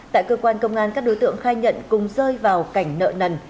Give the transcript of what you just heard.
tại cơ quan công an các đối tượng khai nhận cùng rơi vào cảnh nợ nần